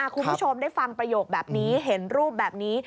คุณผู้ชมได้ฟังประโยคแบบนี้เห็นรูปแบบนี้